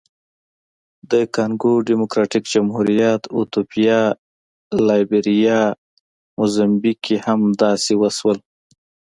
د کانګو ډیموکراتیک جمهوریت، ایتوپیا، لایبیریا، موزمبیق کې هم داسې وشول.